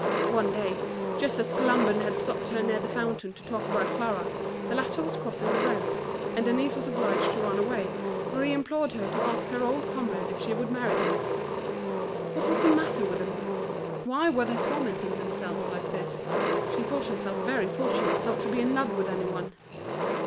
One day, just as Colomban had stopped her near the fountain to talk about Clara, the latter was crossing the road; and Denise was obliged to run away, for he implored her to ask her old comrade if she would marry him. What was the matter with them all? why were they tormenting themselves like this? She thought herself very fortunate not to be in love with any one.